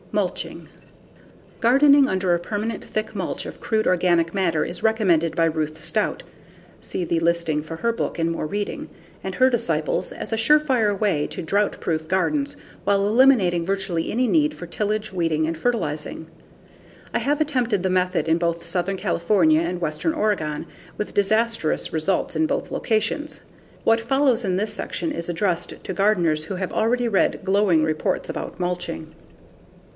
Mulching Gardening under a permanent thick mulch of crude organic matter is recommended by Ruth Stout (see the listing for her book in More Reading) and her disciples as a surefire way to drought proof gardens while eliminating virtually any need for tillage, weeding, and fertilizing. I have attempted the method in both Southern California and western Oregon with disastrous results in both locations. What follows in this section is addressed to gardeners who have already read glowing reports about mulching.